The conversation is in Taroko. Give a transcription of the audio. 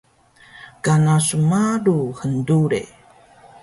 Kana snmalu hndure